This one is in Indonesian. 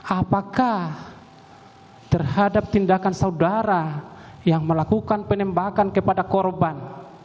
apakah terhadap tindakan saudara yang melakukan penembakan kepada korban